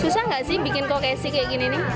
susah gak sih bikin kokeshi kayak gini nih